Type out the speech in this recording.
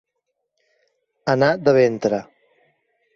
Anar de ventre.